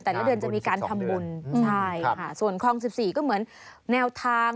แต่ละเดือนจะมีการทำบุญใช่ค่ะส่วนคลอง๑๔ก็เหมือนแนวทาง